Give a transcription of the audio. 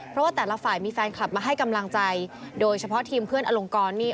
เพราะว่าแต่ละฝ่ายมีแฟนคลับมาให้กำลังใจโดยเฉพาะทีมเพื่อนอลงกรนี่